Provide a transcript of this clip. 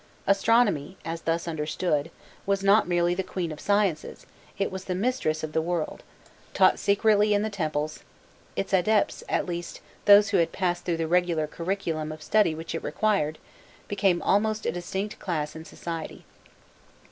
Astronomy, as thus understood, was not merely the queen of sciences, it was the mistress of the world: taught secretly in the temples, its adepts at least, those who had passed through the regular curriculum of study which it required became almost a distinct class in society.